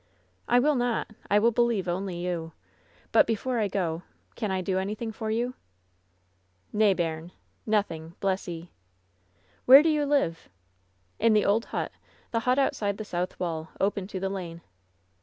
'' "I will not I will believe only you. But before I go tell me — can I do anything for you ?'' "Nay, bairn. Nothing, bless 'ee." "Where do you live?" "In the old hut — the hut outside the south wall, open to the lane."